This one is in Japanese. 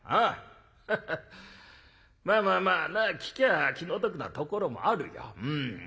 ハハッまあまあまあなあ聞きゃあ気の毒なところもあるよ。